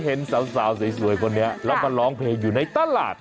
เห็นสาวสวยคนนี้แล้วมาร้องเพลงอยู่ในตลาด